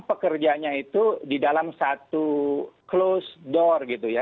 pekerjanya itu di dalam satu close door gitu ya